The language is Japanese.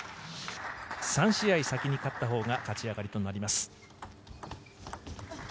３試合先に勝ったほうが勝ち上がりとなります。